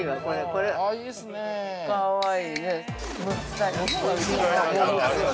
これ、かわいい。